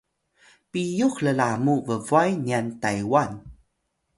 piyux llamu bbway nyan Taywan